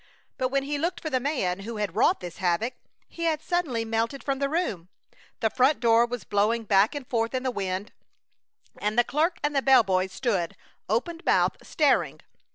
But when he looked for the man who had wrought this havoc he had suddenly melted from the room! The front door was blowing back and forth in the wind, and the clerk and bell boy stood, open mouthed, staring.